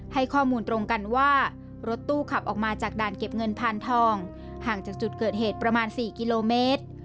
ให้ข้อมูลตรงกันว่ารถตู้ขับออกมาจากด่านเก็บเงินพานทองห่างจากจุดเกิดเหตุประมาณ๔กิโลเมตร